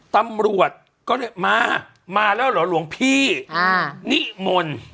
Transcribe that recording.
ตำรวจก็เลยมามาแล้วเหรอหลวงพี่นิมนต์